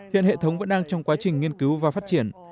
hiện hệ thống vẫn đang trong quá trình nghiên cứu và phát triển